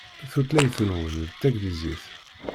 Tutlayt-nwen d taglizit.